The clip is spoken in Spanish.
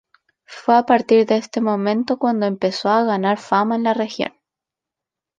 Fue a partir de este momento cuando empezó a ganar fama en la región.